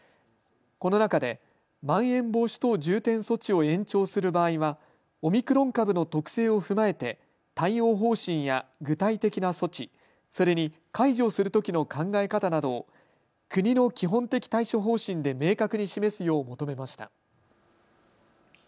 この中でまん延防止等重点措置を延長する場合はオミクロン株の特性を踏まえて対応方針や具体的な措置、それに解除するときの考え方などを国の基本的対処方針で明確に示すよう求めました。